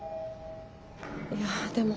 いやでも。